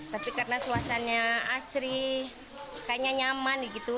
tapi karena suasananya asri kayaknya nyaman gitu